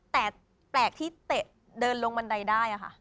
แต่แปลกที่เตะเดินลงบันไดได้ค่ะ